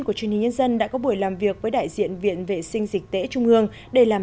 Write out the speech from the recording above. của truyền hình nhân dân đã có buổi làm việc với đại diện viện vệ sinh dịch tễ trung ương để làm